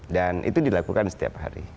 itu dilakukan setiap hari